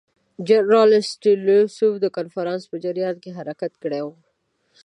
جنرال ستولیتوف د کنفرانس په جریان کې حرکت کړی وو.